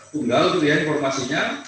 tunggal itu ya informasinya